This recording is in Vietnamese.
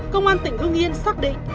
công an tỉnh hưng yên xác định